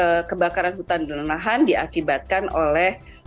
memang sebagian kebakaran hutan dan lahan diakibatkan oleh